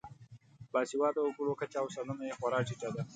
باسواده وګړو کچه او سلنه یې خورا ټیټه ده.